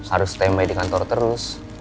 harus stay in bay di kantor terus